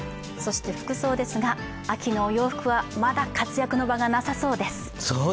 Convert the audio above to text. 服装ですが、秋のお洋服はまだ活躍の場がなさそうです。